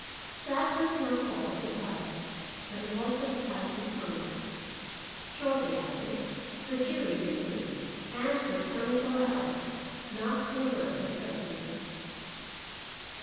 That was not all of the trial, but it was the decisive moment. Shortly after, the jury withdrew, and for twenty four hours not a word was heard from them.